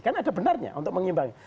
kan ada benarnya untuk mengimbangi